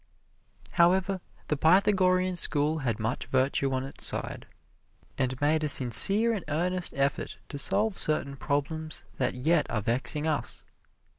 However, the Pythagorean School had much virtue on its side, and made a sincere and earnest effort to solve certain problems that yet are vexing us.